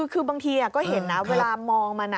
คือบางทีก็เห็นนะเวลามองมัน